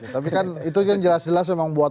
tapi kan itu kan jelas jelas memang buat